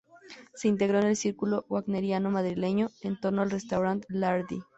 Se integró en el círculo wagneriano madrileño, en torno al restaurante Lhardy.